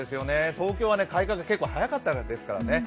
東京は開花が結構早かったですからね。